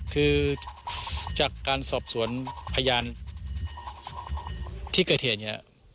คือจากการสอบสวนพยานที่เกิดเหตุเนี่ย